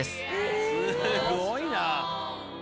すごいな！